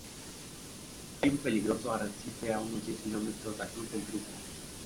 Hay un peligroso arrecife a unos diez kilómetros al sur del grupo.